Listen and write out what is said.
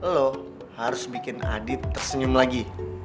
lo harus bikin adit tersenyum lagi